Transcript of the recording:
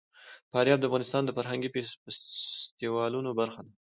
فاریاب د افغانستان د فرهنګي فستیوالونو برخه ده.